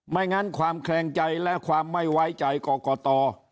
ไม่งั้นความแคลงใจและความไม่ไว้ใจกรกต